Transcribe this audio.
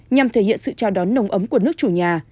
nhằm thể hiện sự chào đón nồng ấm của nước chủ nhà